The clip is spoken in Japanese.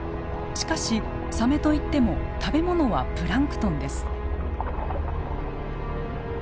しかしサメといっても食べ物はプランクトンです。